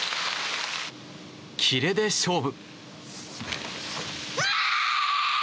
キレで勝負。